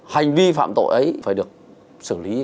hành vi phạm tội ấy phải được xử lý